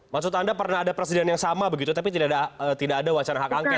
maksud anda pernah ada presiden yang sama begitu tapi tidak ada wacana hak angket